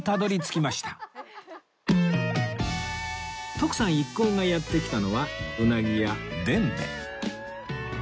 徳さん一行がやって来たのはうなぎ屋傳米